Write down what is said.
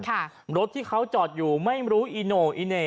ค่ะรถที่เขาจอดอยู่ไม่รู้อิโนอิเน